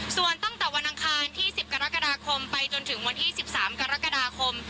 ส่วนตั้งแต่วันอังคารที่๑๐กรกฎาคมไปจนถึงวันที่๑๓กรกฎาคม